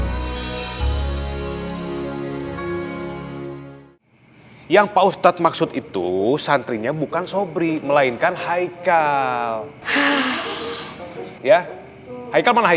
hai yang pak ustadz maksud itu santrinya bukan sobri melainkan haikal ya hai kemana hai